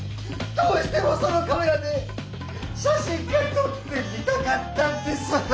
どうしてもそのカメラで写真がとってみたかったんです！